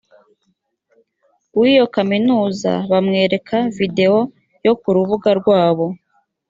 w iyo kaminuza bamwereka videwo yo ku rubuga rwabo